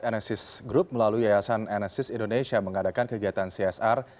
enesis group melalui yayasan enesis indonesia mengadakan kegiatan csr